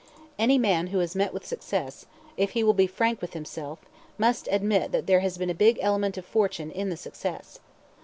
Any man who has met with success, if he will be frank with himself, must admit that there has been a big element of fortune in the success.